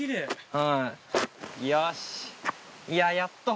よし。